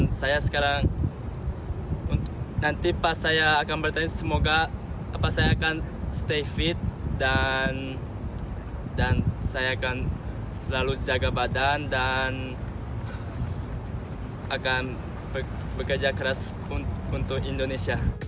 dan akan bekerja keras untuk indonesia